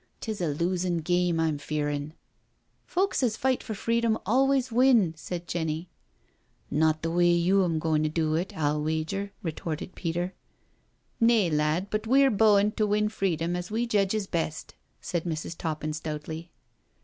" 'Tis a losin' game, I'm feerin'l" " Folks as fight for freedom always win," said Jenny. "Not the way you'm goin* to do it, I'll wager," retorted Peter. " Nay, lad, but we're beaund to win freedcmi as we jcdges best/' said Mrs. Toppin stoutly.